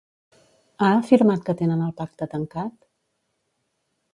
Ha afirmat que tenen el pacte tancat?